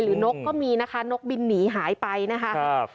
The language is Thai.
หรือนกก็มีนะคะนกบินหนีหายไปนะคะ